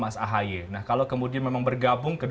mas ahye nah kalau kemudian memang bergabung